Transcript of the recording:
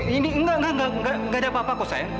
ini enggak enggak enggak enggak enggak ada apa apa kok sayang